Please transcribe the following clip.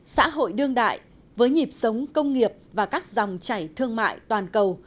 xã hội đương đại với nhịp sống công nghiệp và các dòng chảy thương mại toàn cầu